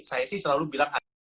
saya sih selalu bilang